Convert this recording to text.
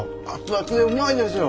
熱々でうまいですよ。